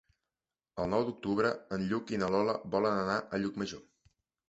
El nou d'octubre en Lluc i na Lola volen anar a Llucmajor.